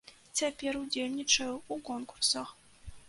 Цяпер удзельнічаю ў конкурсах.